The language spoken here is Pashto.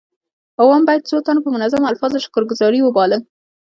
اووم بیت څو تنو په منظومو الفاظو شکر ګذاري وباله.